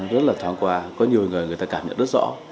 rất là thoáng qua có nhiều người người ta cảm nhận rất rõ